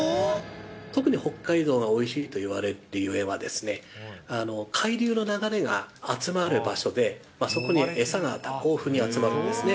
特に北海道がおいしいと言われてるゆえんは、海流の流れが集まる場所で、そこに餌が豊富に集まるんですね。